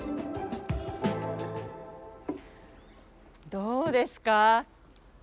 どうですか？